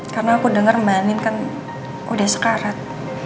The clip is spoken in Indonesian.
karena aku denger mbak andin kan udah sekarat